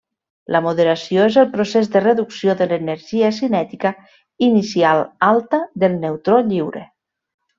La moderació és el procés de reducció de l'energia cinètica inicial alta del neutró lliure.